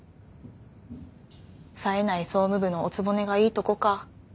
さえない総務部のおつぼねがいいとこか。